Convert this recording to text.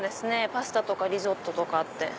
パスタとかリゾットとかあって。